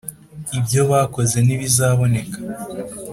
ibyo bakoze ntibizabneka.